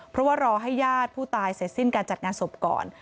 เพราะว่ารอให้ญาติผู้ตายเสร็จสิ้นการจัดงานศพก่อน